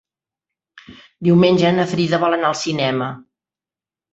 Diumenge na Frida vol anar al cinema.